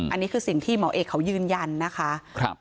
อันนี้คือสิ่งที่หมอเอกเขายืนยันนะคะ